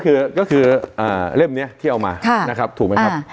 ก็คือเล่มนี้ที่เอามานะครับถูกไหมครับ